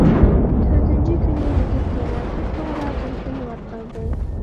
تۆتىنچى كۈنى يىگىت يەنە توپتوغرا بىر كۈن ۋارقىرىدى.